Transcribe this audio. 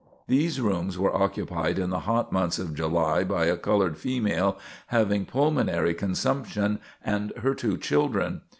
These rooms were occupied in the hot month of July by a colored female, having pulmonary consumption, and her two children.